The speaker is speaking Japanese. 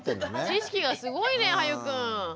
知識がすごいねはゆくん。